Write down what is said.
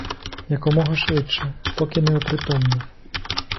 Якомога швидше, поки не опритомнів.